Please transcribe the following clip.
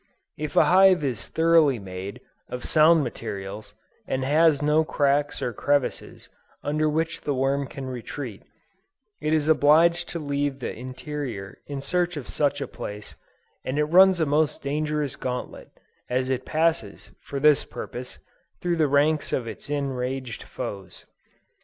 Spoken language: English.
If a hive is thoroughly made, of sound materials, and has no cracks or crevices under which the worm can retreat, it is obliged to leave the interior in search of such a place, and it runs a most dangerous gantlet, as it passes, for this purpose, through the ranks of its enraged foes.